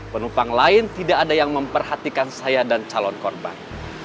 penumpang lain tidak ada yang memperhatikan saya dan calon korban